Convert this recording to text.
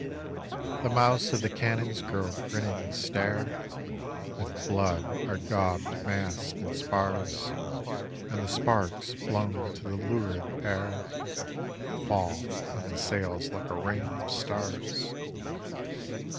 The mouths of the cannons grow a grinning stare, With "blood are daubed masts and spars, And the sparks blown to the lurid air Pall on the sails like a rain of starB.